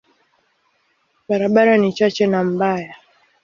Barabara ni chache na mbaya.